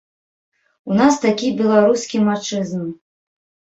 У нас такі беларускі мачызм.